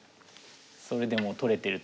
それでも取れてると。